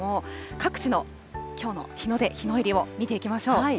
各地のきょうの日の出、日の入りを見ていきましょう。